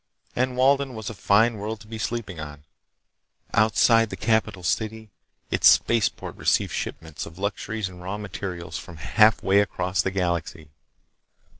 And Walden was a fine world to be sleeping on. Outside the capital city its spaceport received shipments of luxuries and raw materials from halfway across the galaxy.